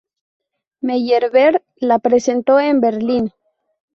Meyerbeer la presentó en Berlín.